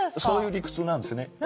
そういう理屈なんですね。